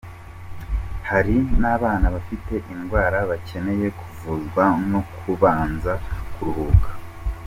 Hari n’ababa bafite indwara bakeneye kuvuzwa no kubanza kuruhuka.